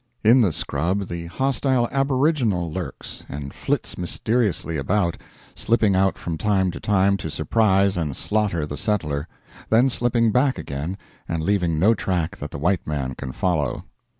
In the scrub the hostile aboriginal lurks, and flits mysteriously about, slipping out from time to time to surprise and slaughter the settler; then slipping back again, and leaving no track that the white man can follow.